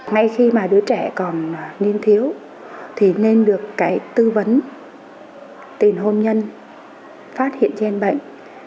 ngay khi mà đứa trẻ còn niên thiếu thì nên được cái tư vấn tìm hôn nhân phát hiện gen bệnh